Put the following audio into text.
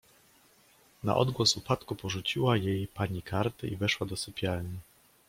Na odgłos upadku porzuciła jej pani karty i weszła do sypialni.